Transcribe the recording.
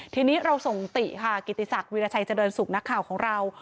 ทีนี้เราส่งติค่ะกิติศักดิราชัยเจริญสุขนักข่าวของเรา